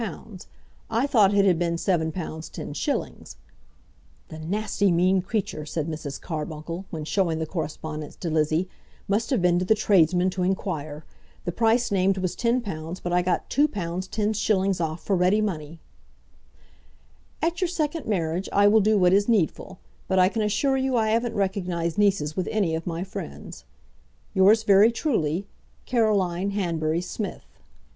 I thought it had been £7 10s. ["The nasty, mean creature," said Mrs. Carbuncle, when showing the correspondence to Lizzie, "must have been to the tradesman to inquire! The price named was £10, but I got £2 l0s. off for ready money."] At your second marriage I will do what is needful; but I can assure you I haven't recognised nieces with any of my friends. Yours very truly, CAROLINE HANBURY SMITH.